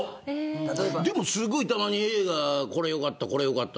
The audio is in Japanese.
でも、すごいたまに映画これよかった。